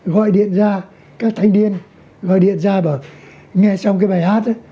gọi điện ra các thanh niên gọi điện ra bảo nghe xong cái bài hát